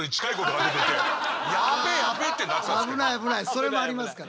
それもありますから。